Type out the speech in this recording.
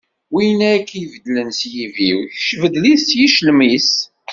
Win i ak-ibeddlen s yibiw, kečč beddel-it s yiclem-is.